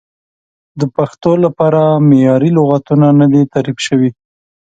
د پښتو لپاره معیاري لغتونه نه دي تعریف شوي.